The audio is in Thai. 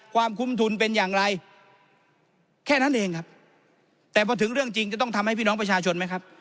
ความคุ้มทุนเป็นอย่างไรแค่นั้นเองครับแต่พอถึงเรื่องจริงจะต้องทำให้พี่น้องประชาชนไหมครับ